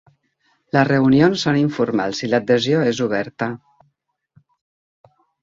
Les reunions són informals i l'adhesió és oberta.